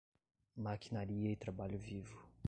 Maquinaria e Trabalho Vivo